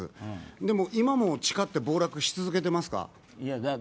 でも今、地価って暴落し続けてますか？